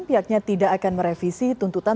pihaknya tidak akan merevisi tuntutan